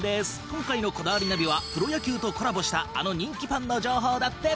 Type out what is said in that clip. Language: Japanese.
今回の『こだわりナビ』はプロ野球とコラボしたあの人気パンの情報だって。